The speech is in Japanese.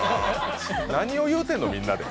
何を言うてんの、みんなで。